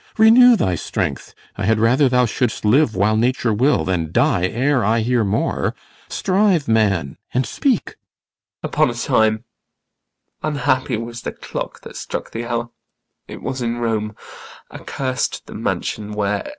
Renew thy strength; I had rather thou shouldst live while nature will Than die ere I hear more. Strive, man, and speak. IACHIMO. Upon a time unhappy was the clock That struck the hour! was in Rome accurs'd The mansion where!